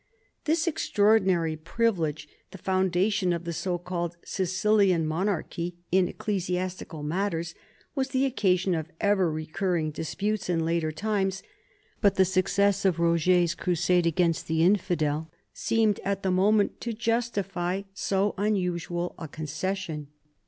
This extraordinary privilege, the foundation of the so called 'Sicilian mon archy' in ecclesiastical matters, was the occasion of ever recurring disputes in later times, but the success of Roger's crusade against the infidel seemed at the moment to justify so unusual a concession.